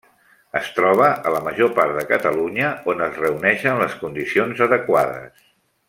Es troba a la major part de Catalunya on es reuneixen les condicions adequades.